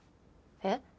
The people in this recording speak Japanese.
えっ？